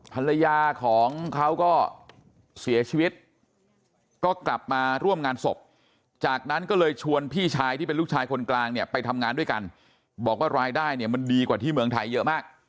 ภรรยาของเขาก็เสียชีวิตก็กลับมาร่วมงานศพจากนั้นก็เลยชวนพี่ชายที่เป็นลูกชายคนกลางเนี่ยไปทำงานด้วยกันบอกว่ารายได้เนี่ยมันดีกว่าที่เมืองไทยเยอะมาก